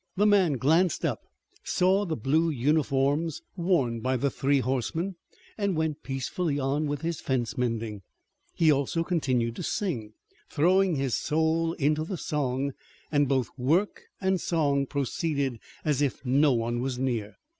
The man glanced up, saw the blue uniforms worn by the three horsemen, and went peacefully on with his fence mending. He also continued to sing, throwing his soul into the song, and both work and song proceeded as if no one was near.